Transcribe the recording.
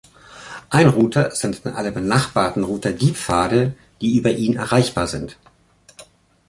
Ein Router sendet an alle benachbarten Router die Pfade, die über ihn erreichbar sind.